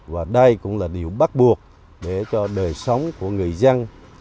và đây cũng là điều bắt buộc để cho đời sống của người dân